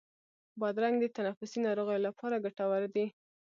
بادرنګ د تنفسي ناروغیو لپاره ګټور دی.